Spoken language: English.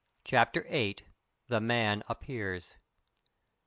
CHAPTER VIII. THE MAN APPEARS.